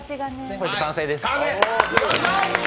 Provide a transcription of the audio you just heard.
これで完成です。